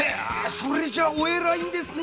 それじゃお偉いんですね。